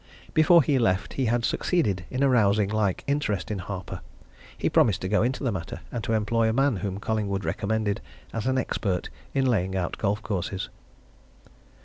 Before he left he had succeeded in arousing like interest in Harper he promised to go into the matter, and to employ a man whom Collingwood recommended as an expert in laying out golf courses.